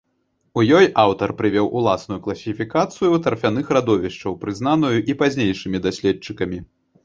У ёй аўтар прывёў уласную класіфікацыю тарфяных радовішчаў, прызнаную і пазнейшымі даследчыкамі.